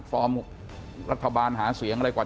ฟอร์มรัฐบาลหาเสียงอะไรกว่า